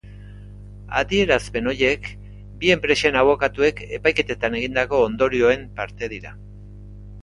Adierazpen horiek bi enpresen abokatuek epaiketetan egindako ondorioen parte dira.